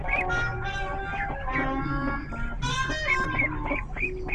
Se casó en Orangerie, en el Schloss Sanssouci en Potsdam.